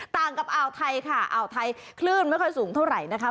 ต่างกับอ่าวไทยค่ะอ่าวไทยคลื่นไม่ค่อยสูงเท่าไหร่นะคะ